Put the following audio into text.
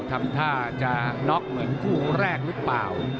ทำท่าจะน็อกเหมือนคู่แรกหรือเปล่า